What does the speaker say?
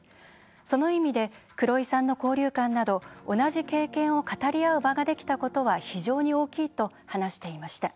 その意味で黒井さんの交流館など同じ経験を語り合う場ができたことは非常に大きいと話していました。